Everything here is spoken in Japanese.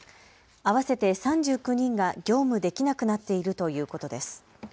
合わせて３９人が業務できなくなっているということです。